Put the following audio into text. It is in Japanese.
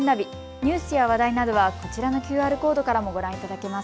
ニュースや話題などはこちらのＱＲコードからもご覧いただけます。